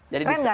keren gak hilman